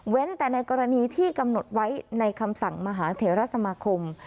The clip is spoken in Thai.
แต่ในกรณีที่กำหนดไว้ในคำสั่งมหาเทราสมาคม